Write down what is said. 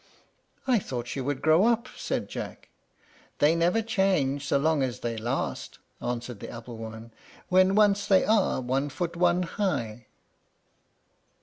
"I thought she would grow up," said Jack. "They never change so long as they last," answered the apple woman, "when once they are one foot one high."